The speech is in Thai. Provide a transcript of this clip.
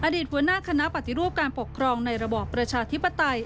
อดีตหัวหน้าคณะปฏิรูปการปกครองในระบอบประชาธิปไตย